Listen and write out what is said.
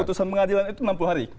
putusan pengadilan itu enam puluh hari